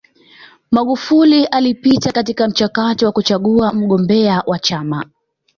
magufuli alipita katika mchakato wa kuchagua mgombea wa chama